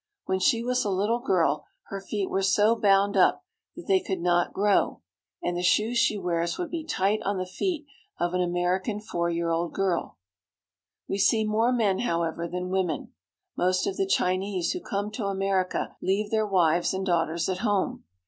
When she was a little girl her feet were so bound up that they could not grow, and the shoes she wears would be tight on the feet of an American four year old girl. SAN FRANCISCO. 277 We see more men, however, than women. Most of the Chinese who come to America leave their wives and daughters at home.